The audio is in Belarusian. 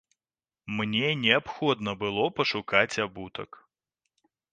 Мне неабходна было пашукаць абутак.